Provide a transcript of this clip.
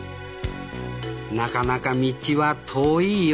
なかなか道は遠いようです